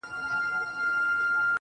ډېوې پوري.